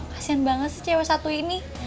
kasian banget sih cewek satu ini